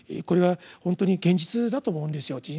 これはほんとに現実だと思うんですよ